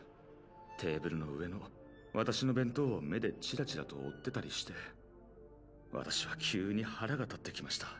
テーブルの上のわたしの弁当を目でチラチラと追ってたりしてわたしは急に腹が立ってきました。